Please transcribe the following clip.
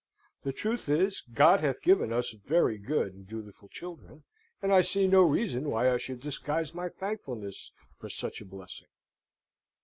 The truth is, God hath given us very good and dutiful children, and I see no reason why I should disguise my thankfulness for such a blessing.